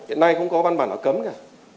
hiện nay không có văn bản nào cấm cả